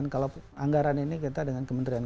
kalau anggaran ini kita dengan kementerian